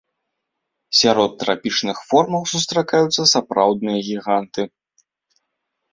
Сярод трапічных формаў сустракаюцца сапраўдныя гіганты.